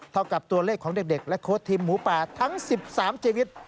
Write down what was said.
เท่ากับตัวเลขของเด็กและโค้ดทีมหมูป่าทั้ง๑๓ชีวิต